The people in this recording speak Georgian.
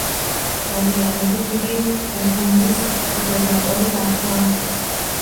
მოგვიანებით იგი ბურგუნდიის გუბერნატორი გახდა.